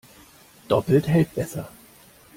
Doppelt hält besser.